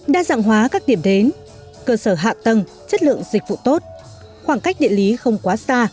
đa dạng hóa các điểm đến cơ sở hạ tầng chất lượng dịch vụ tốt khoảng cách địa lý không quá xa